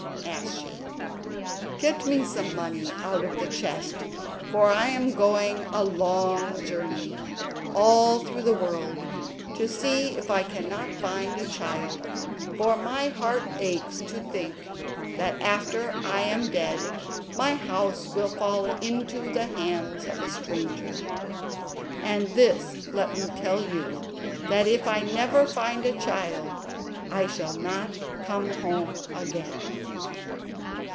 asked she. "Get me some money out of the chest, for I am going a long journey—all through the world—to see if I cannot find a child, for my heart aches to think that after I am dead my house will fall into the hands of a stranger. And this let me tell you: that if I never find a child I shall not come home again."